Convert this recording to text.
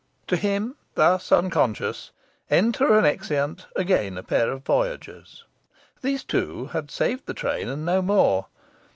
To him, thus unconscious, enter and exeunt again a pair of voyagers. These two had saved the train and no more.